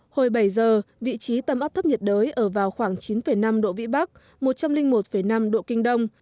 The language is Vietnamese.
hồi bảy giờ vị trí tâm áp thấp nhiệt đới ở vào khoảng chín năm độ vĩ bắc một trăm linh một năm độ kinh đông